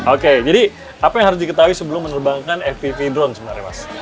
oke jadi apa yang harus diketahui sebelum menerbangkan fpv drone sebenarnya mas